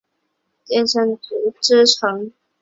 的重臣鹤谷氏之居城。